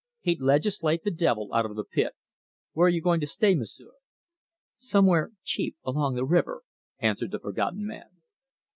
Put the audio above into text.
He'd legislate the devil out of the Pit. Where are you going to stay, M'sieu'?" "Somewhere cheap along the river," answered the Forgotten Man.